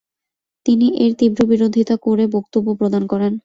তিনি এর তীব্র বিরোধীতা করে বক্তব্য প্রদান করেন।